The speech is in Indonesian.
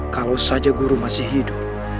kalau saja guru masih hidup